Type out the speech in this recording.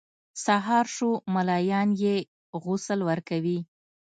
سهار شو ملایان یې غسل ورکوي.